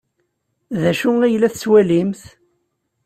D acu ay la tettwalimt?